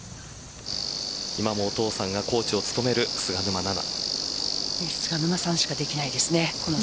今もお父さんがコーチを務める菅沼菜々。